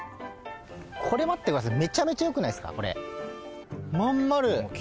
これ待ってください。